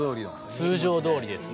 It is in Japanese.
通常どおりですね。